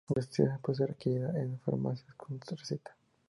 La sustancia puede ser adquirida en farmacias con receta.